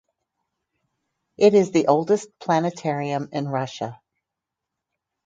It is the oldest planetarium in Russia.